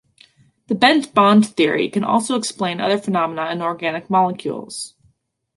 The bent bond theory can also explain other phenomena in organic molecules.